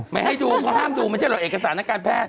ไม่ให้ดูเพราะห้ามดูมันใช่เหรอเอกสารทางการแพทย์